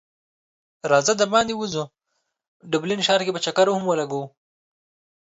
راځه د باندی وځو ډبلین ښار کی به چکر هم ولګو